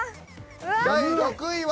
第６位は。